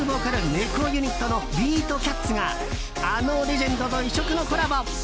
猫ユニットのビートキャッツがあのレジェンドと異色のコラボ。